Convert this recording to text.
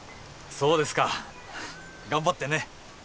そうですか。頑張ってね。